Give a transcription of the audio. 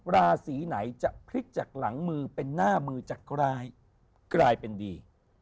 ราศีไหนจะพลิกจากหลังมือเป็นหน้ามือจากร้ายกลายเป็นดี